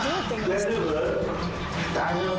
大丈夫？